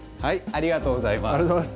ありがとうございます。